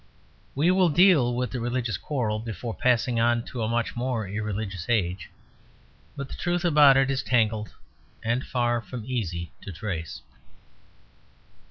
We will deal with the religious quarrel before passing on to a much more irreligious age; but the truth about it is tangled and far from easy to trace.